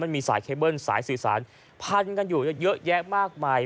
มันมีสายเคเบิ้ลสายสื่อสารพันกันอยู่เยอะแยะมากมาย